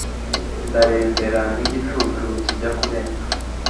Ndarembera nk’igicucu kijya kurenga